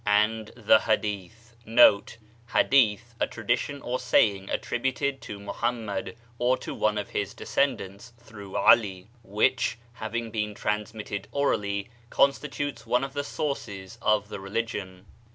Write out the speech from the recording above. And the Hadeeth ' com ^ Hadeeth, a tradition or saying; attributed to Muhammad or to one ot his descendants (through Ali), which, having been transmitted orally, OMistitutcs one of the sources of the religion.